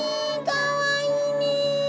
かわいいね。